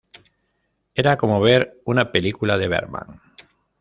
Era como ver una película de Bergman.